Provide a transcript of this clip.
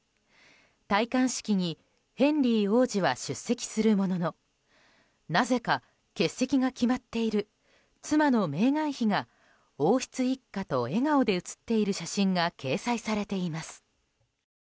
戴冠式にヘンリー王子は出席するもののなぜか欠席が決まっている妻のメーガン妃が王室一家と笑顔で写っている写真が掲載されています。